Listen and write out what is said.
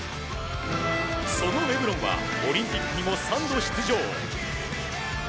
そのレブロンはオリンピックにも３度出場。